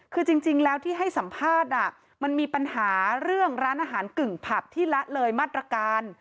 คือจริงแล้วที่ให้สัมภาษณ์มันมีปัญหาเรื่องร้านอาหารกึ่งผับที่ละเลยมาตรการ